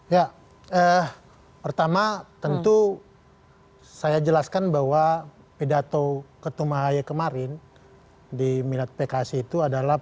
ya pertama tentu saya jelaskan bahwa pedato ketua mahae kemarin di milad pks itu adalah